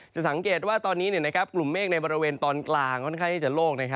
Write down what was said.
สังเกตว่าตอนนี้กลุ่มเมฆในบริเวณตอนกลางค่อนข้างที่จะโล่ง